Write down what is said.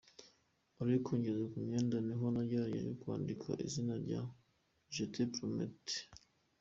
Ariko ngeze ku myenda niho nagerageje kwandika izina rya Je te promets.